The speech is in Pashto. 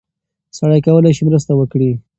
سړی کولی شي مرسته وکړي.